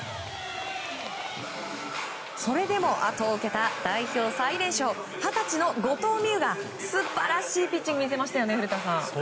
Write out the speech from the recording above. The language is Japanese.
それでもあとを受けた代表最年少二十歳の後藤希友が素晴らしいピッチングを見せましたよね、古田さん。